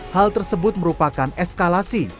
hal tersebut merupakan eskalasi